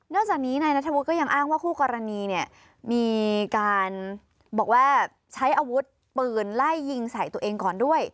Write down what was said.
จากนี้นายนัทวุฒิก็ยังอ้างว่าคู่กรณีเนี่ยมีการบอกว่าใช้อาวุธปืนไล่ยิงใส่ตัวเองก่อนด้วย